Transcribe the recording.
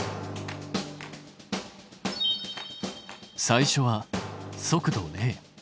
最初は速度０。